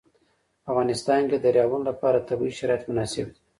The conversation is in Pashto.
په افغانستان کې د دریابونه لپاره طبیعي شرایط مناسب دي.